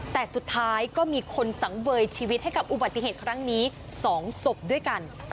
แต่สุดท้ายก็มีคนสังเวยชีวิตให้กับอุบัติเหตุครั้งนี้๒ศพด้วยกัน